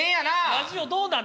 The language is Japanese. ラジオどうなん？